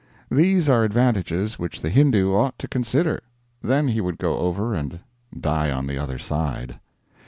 These are advantages which the Hindoo ought to consider; then he would go over and die on the other side.